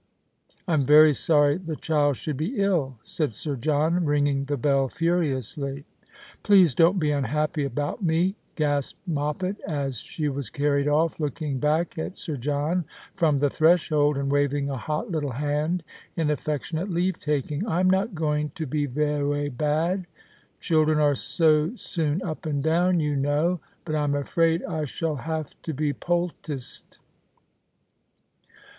"I'm very sorry the chikl should be ill," said Sir John, ringing the bell furiously. " Please don't be unhappy about me," gasped Moppet, as she was carried off, looking back at >Sir John from the threshold, and waving a hot little hand in affectionate leave taking. " I'm not going to be veway bad — children are so soon up and down, you know — but I'm afraid I shall have to be poulticed."